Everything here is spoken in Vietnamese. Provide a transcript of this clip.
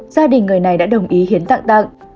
gia đình người này đã đồng ý hiến tặng tặng